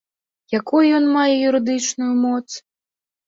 Якую ён мае юрыдычную моц?